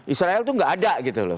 israel itu nggak ada gitu loh